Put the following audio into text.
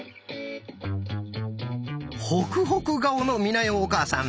ホクホク顔の美奈代お母さん。